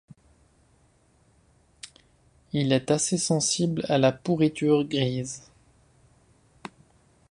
Il est assez sensible à la pourriture grise.